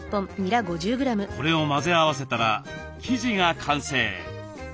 これを混ぜ合わせたら生地が完成。